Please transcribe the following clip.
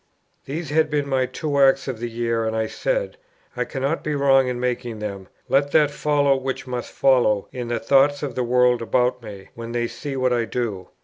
These had been my two acts of the year, and I said, "I cannot be wrong in making them; let that follow which must follow in the thoughts of the world about me, when they see what I do."